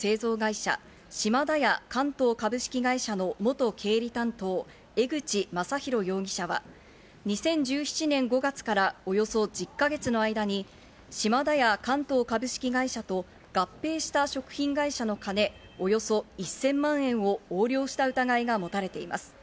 警察によりますと、深谷市にある麺類の製造会社・シマダヤ関東株式会社の元経理担当・江口昌宏容疑者は、２０１７年５月からおよそ１０か月の間にシマダヤ関東株式会社と、合併した食品会社の金、およそ１０００万円を横領した疑いが持たれています。